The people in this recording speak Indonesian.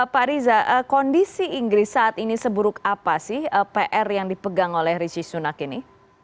pak riza kondisi inggris saat ini seburuk apa sih pr yang dipegang oleh ricis sunak ini